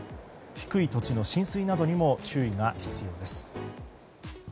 低い土地の浸水などにも注意が必要です。